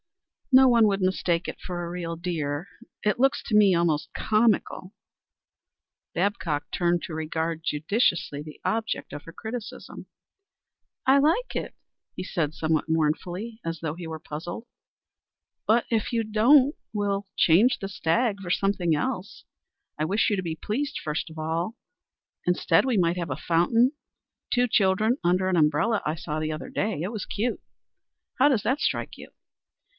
"No one would mistake it for a real deer. It looks to me almost comical." Babcock turned to regard judicially the object of her criticism. "I like it," he said somewhat mournfully, as though he were puzzled. "But if you don't, we'll change the stag for something else. I wish you to be pleased first of all. Instead we might have a fountain; two children under an umbrella I saw the other day. It was cute. How does that strike you?"